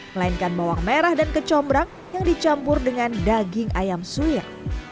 melainkan bawang merah dan kecombrang yang dicampur dengan daging ayam suir